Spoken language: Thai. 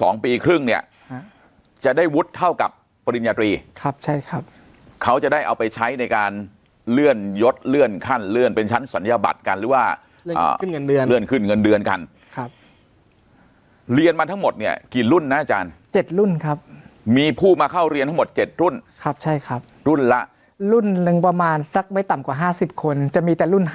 สองปีครึ่งเนี่ยฮะจะได้วุฒิเท่ากับปริญญาตรีครับใช่ครับเขาจะได้เอาไปใช้ในการเลื่อนยดเลื่อนขั้นเลื่อนเป็นชั้นศัลยบัตรกันหรือว่าขึ้นเงินเดือนเลื่อนขึ้นเงินเดือนกันครับเรียนมาทั้งหมดเนี่ยกี่รุ่นนะอาจารย์เจ็ดรุ่นครับมีผู้มาเข้าเรียนทั้งหมดเจ็ดรุ่นครับใช่ครับรุ่นละรุ่นหนึ่งประมาณสักไม่ต่ำกว่าห้าสิบคนจะมีแต่รุ่นห้า